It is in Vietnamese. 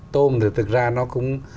tôm thì thật ra nó cũng